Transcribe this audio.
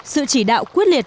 sự chỉ đạo quyết liệt